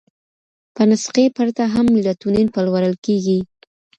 په نسخې پرته هم میلاټونین پلورل کېږي.